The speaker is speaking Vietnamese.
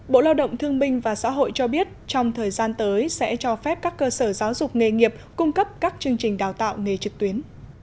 bộ lao động thương minh và xã hội cho biết trong thời gian tới sẽ cho phép các cơ sở giáo dục nghề nghiệp cung cấp các chương trình đào tạo nghề trực tuyến